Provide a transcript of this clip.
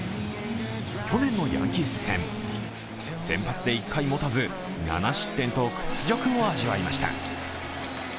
去年のヤンキース戦、先発で１回もたず７失点と屈辱を味わいました。